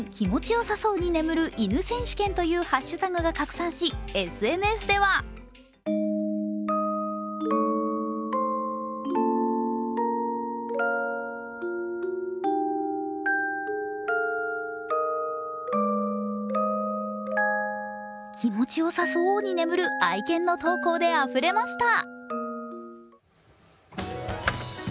よさそうに眠るいぬ選手権」というハッシュタグが拡散し、ＳＮＳでは気持ちよさそうに眠る愛犬の投稿であふれました。